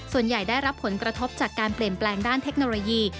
ได้รับผลกระทบจากการเปลี่ยนแปลงด้านเทคโนโลยี